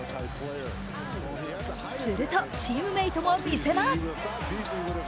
すると、チームメートもみせます。